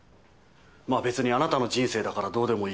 まあ別にあなたの人生だからどうでもいいけど。